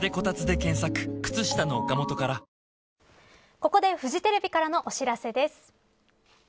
ここでフジテレビからのお知らせです。